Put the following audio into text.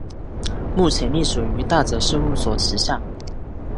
目前隶属于大泽事务所旗下。